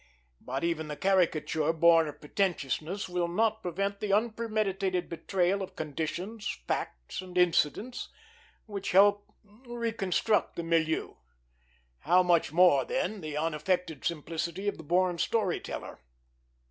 But even the caricature born of pretentiousness will not prevent the unpremeditated betrayal of conditions, facts, and incidents, which help reconstruct the milieu; how much more, then, the unaffected simplicity of the born story teller.